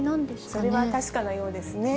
それは確かなようですね。